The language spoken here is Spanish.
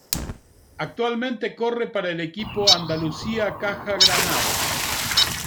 Actualmente corre para el equipo Andalucía Caja Granada.